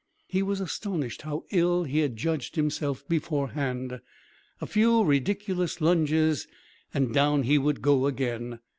He was astonished how ill he had judged himself beforehand. A few ridiculous lunges, and down he would go again.